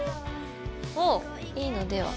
おいいのでは？